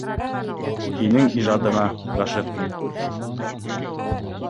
Һинең ижадыңа ғашиҡмын.